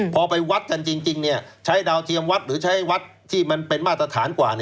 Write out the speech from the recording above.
พอไปวัดกันจริงใช้ดาวเทียมวัดหรือใช้วัดที่มันเป็นมาตรฐานกว่า